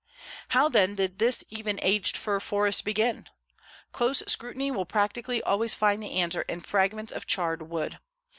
How, then, did this even aged fir forest begin? Close scrutiny will practically always find the answer in fragments of charred wood.